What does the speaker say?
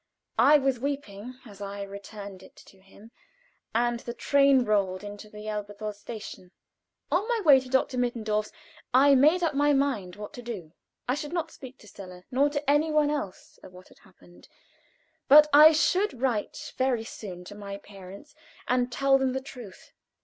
I was weeping as I returned it to him, and the train rolled into the Elberthal station. On my way to Dr. Mittendorf's, I made up my mind what to do. I should not speak to Stella, nor to any one else of what had happened, but I should write very soon to my parents and tell them the truth.